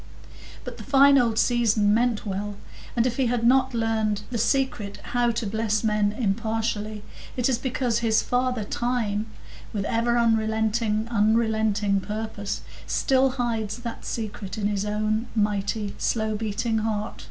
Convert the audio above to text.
But the fine old season meant well; and if he has not learned the secret how to bless men impartially, it is because his father Time, with ever unrelenting purpose, still hides that secret in his own mighty, slow beating heart.